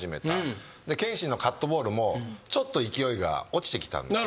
憲伸のカットボールもちょっと勢いが落ちてきたんですよ